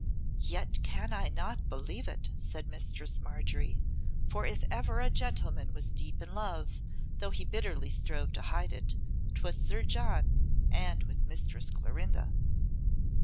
"Yet can I not believe it," said Mistress Margery; "for if ever a gentleman was deep in love, though he bitterly strove to hide it, 'twas Sir John, and with Mistress Clorinda."